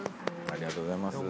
ありがとうございます。